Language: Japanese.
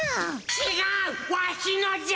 ・ちがうワシのじゃ！